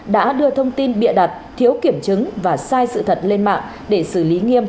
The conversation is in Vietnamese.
đã đưa thông tin bịa đặt thiếu kiểm chứng và sai sự thật lên mạng để xử lý nghiêm